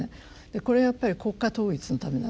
これやっぱり国家統一のためなんです。